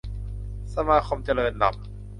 สมาคมเจริญรัมย์